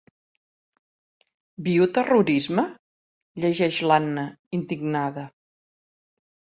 Bioterrorisme? —llegeix l'Anna, indignada—.